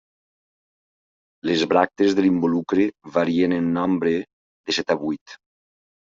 Les bràctees de l'involucre varien en nombre, de set a vuit.